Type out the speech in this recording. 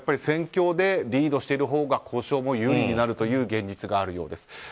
戦況でリードしているほうが交渉も有利だという現実があるようです。